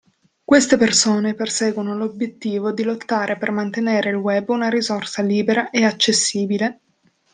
Queste persone perseguono l'obbiettivo di lottare per mantenere il Web una risorsa libera e accessibile.